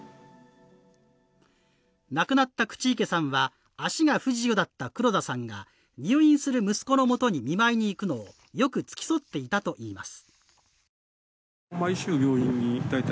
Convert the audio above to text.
亡くなった口池さんは足が不自由だった黒田さんが入院する息子の元に見舞いに行くのをよく付き添っていたといいます。